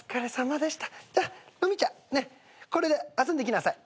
ロミちゃんこれで遊んできなさい。